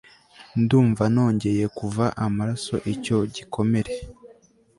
ndumva nongeye kuva amaraso icyo gikomere